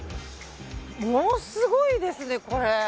ものすごいですね、これ。